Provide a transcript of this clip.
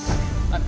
amin ya allah